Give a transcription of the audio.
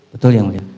betul ya mulia